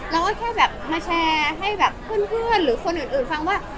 เราก็แค่แบบมาแชร์ให้แบบเพื่อนหรือคนอื่นฟังว่า